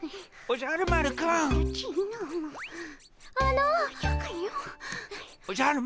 おじゃる丸くん。